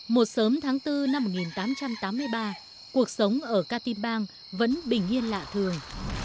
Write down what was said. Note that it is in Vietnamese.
mùa sớm tháng bốn năm một nghìn tám trăm tám mươi ba cuộc sống ở katibang vẫn bình yên lạ thường